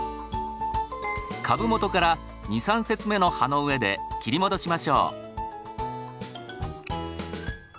株元から２３節目の葉の上で切り戻しましょう。